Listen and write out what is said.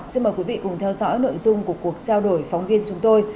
xin mời quý vị cùng theo dõi nội dung của cuộc trao đổi phóng viên chúng tôi